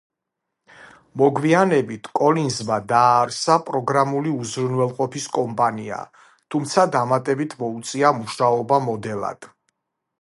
მოგვიანებით კოლინზმა დააარსა პროგრამული უზრუნველყოფის კომპანია, თუმცა დამატებით მოუწია მუშაობა მოდელად.